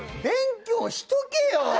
勉強しとけよ！